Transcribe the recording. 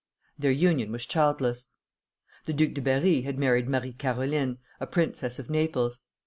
Their union was childless. The Duc de Berri had married Marie Caroline, a princess of Naples.